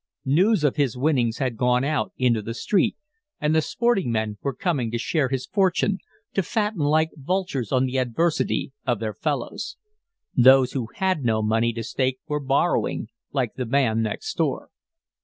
News of his winnings had gone out into the street, and the sporting men were coming to share his fortune, to fatten like vultures on the adversity of their fellows. Those who had no money to stake were borrowing, like the man next door.